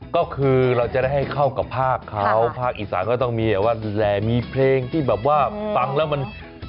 ก็คือเราจะได้ให้เข้ากับภาคเขาภาคอีสานก็ต้องมีแบบว่าดูแลมีเพลงที่แบบว่าฟังแล้วมัน